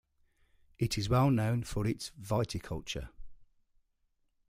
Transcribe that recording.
It is well known for its viticulture.